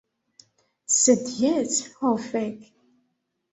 Sed jes, ho fek'